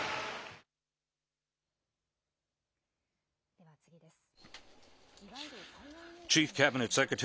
では次です。